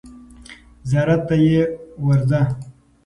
زیارت ته یې ورځه.